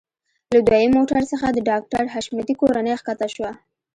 له دويم موټر څخه د ډاکټر حشمتي کورنۍ ښکته شوه.